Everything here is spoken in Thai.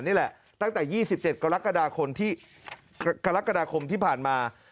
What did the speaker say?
นี่แหละตั้งแต่๒๗กรกฎาคมที่ผ่านมา